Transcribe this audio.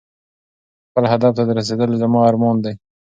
خپل هدف ته رسېدل زما ارمان دی.